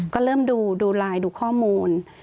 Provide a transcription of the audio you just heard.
ก็เริ่มดูไลน์ดูข้อมูล